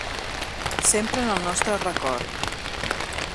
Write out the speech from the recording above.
Sempre en el nostre record.